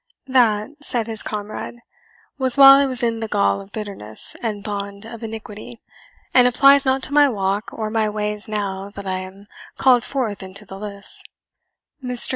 "That," said his comrade, "was while I was in the gall of bitterness and bond of iniquity, and applies not to my walk or my ways now that I am called forth into the lists. Mr.